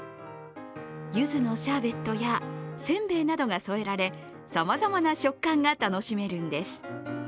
ゆずのシャーベットやせんべいなどが添えられ、さまざまな食感が楽しめるんです。